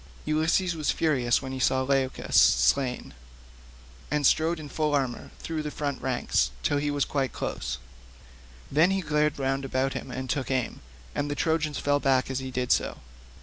Ulysses was furious when he saw Leucus slain, and strode in full armour through the front ranks till he was quite close; then he glared round about him and took aim, and the Trojans fell back as he did so.